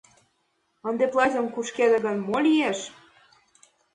Ынде платьым кушкеде гын, мо лиеш?